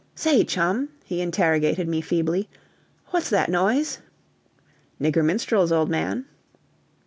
"Say, chum," he interrogated me feebly, "what's that noise?" "Nigger minstrels, old man."